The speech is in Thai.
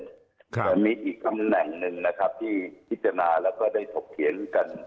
แต่มีอีกตำแหน่งหนึ่งนะครับที่พิจารณาแล้วก็ได้ถกเถียงกัน